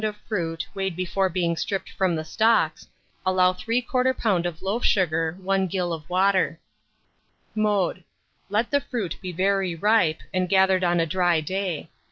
of fruit, weighed before being stripped from the stalks, allow 3/4 lb. of loaf sugar, 1 gill of water. Mode. Let the fruit be very ripe, and gathered on a dry day.